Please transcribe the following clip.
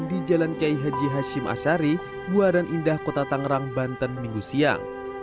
di haji hashim asyari buaran indah kota tangerang banten minggu siang